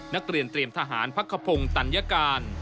นักเรียนเตรียมทหารพักขพงศ์ตัญญาการ